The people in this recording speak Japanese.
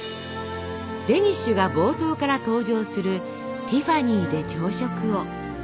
デニッシュが冒頭から登場する「ティファニーで朝食を」。